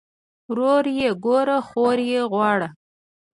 ورور ئې ګوره خور ئې غواړه